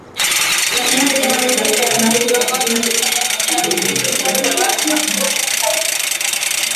Gainera, etengabeko integrazioko zerbitzariak erabiltzen dituzte, probak automatizatzeko.